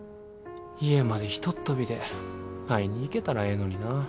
家までひとっ飛びで会いに行けたらええのにな。